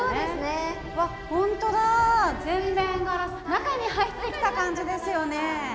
中に入ってきた感じですよね。